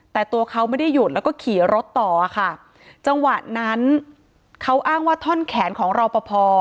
แต่ตัวเขาไม่ได้หยุดแล้วก็ขี่รถต่อค่ะจังหวะนั้นเขาอ้างว่าท่อนแขนของรอปภ